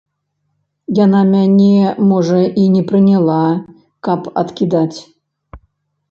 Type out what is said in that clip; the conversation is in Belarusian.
Яна мяне, можа, і не прыняла, каб адкідаць.